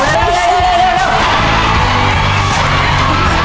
เวลาจะหมดแล้วลูก